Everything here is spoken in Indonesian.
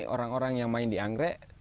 orang orang yang main di anggrek